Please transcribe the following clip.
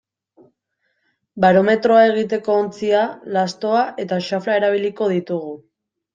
Barometroa egiteko ontzia, lastoa eta xafla erabiliko ditugu.